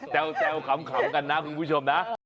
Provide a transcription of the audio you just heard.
จะเอาขำกันนะคุณผู้ชมนะ